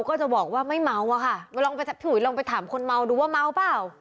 ก็จะบอกว่าไม่เมาวะค่ะลองไปถามคนเมาดูว่าเมาเปล่า